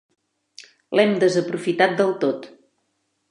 L'hem desaprofitat del tot.